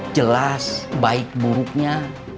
jelas baik buruknya